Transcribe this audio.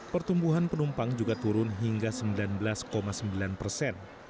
pertumbuhan penumpang juga turun hingga sembilan belas sembilan persen